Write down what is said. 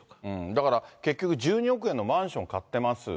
だから結局１２億円のマンションを買ってます。